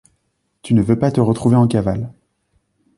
tu ne veux pas te retrouver en cavale.